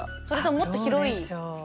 それとももっと広い。